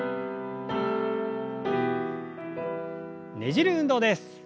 ねじる運動です。